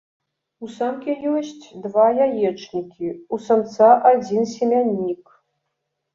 У самкі ёсць два яечнікі, у самца адзін семяннік.